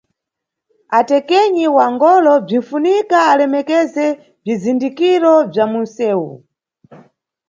Atekenyi wa ngolo bzinʼfunika alemekeze bzizindikiro bza munʼsewu.